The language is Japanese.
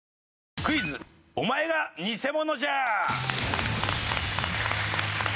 クイズお前がニセモノじゃ！